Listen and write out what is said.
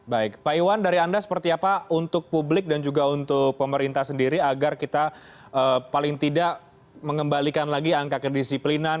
baik pak iwan dari anda seperti apa untuk publik dan juga untuk pemerintah sendiri agar kita paling tidak mengembalikan lagi angka kedisiplinan